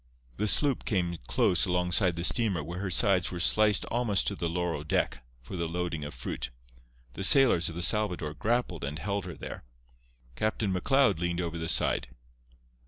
The sloop came close alongside the steamer where her sides were sliced almost to the lower deck for the loading of fruit. The sailors of the Salvador grappled and held her there. Captain McLeod leaned over the side.